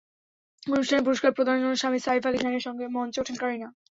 অনুষ্ঠানে পুরস্কার প্রদানের জন্য স্বামী সাইফ আলী খানের সঙ্গে মঞ্চে ওঠেন কারিনা।